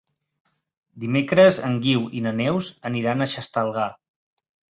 Dimecres en Guiu i na Neus aniran a Xestalgar.